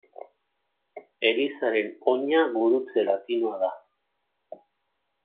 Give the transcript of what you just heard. Elizaren oina gurutze latinoa da.